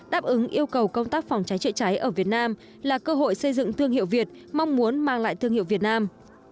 đáp ứng yêu cầu công tác phòng cháy chữa cháy ở việt nam là cơ hội xây dựng thương hiệu việt mong muốn mang lại thương hiệu việt nam